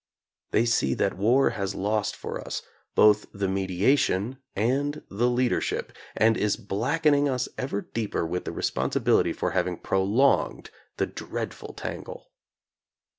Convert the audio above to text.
They see that war has lost for us both the mediation and the leadership, and is blacken ing us ever deeper with the responsibility for hav ing prolonged the dreadful tangle.